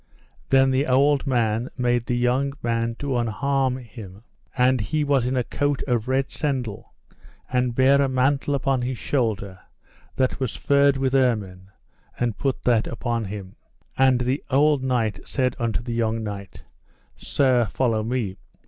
Then the old man made the young man to unarm him, and he was in a coat of red sendal, and bare a mantle upon his shoulder that was furred with ermine, and put that upon him. And the old knight said unto the young knight: Sir, follow me.